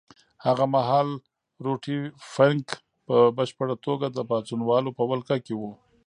هغه مهال روټي فنک په بشپړه توګه د پاڅونوالو په ولکه کې وو.